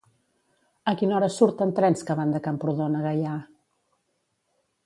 A quina hora surten trens que van de Camprodon a Gaià?